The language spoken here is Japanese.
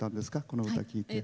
この歌を聴いて。